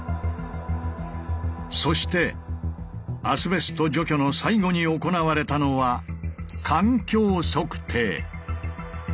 そしてアスベスト除去の最後に行われたのは「環境測定」。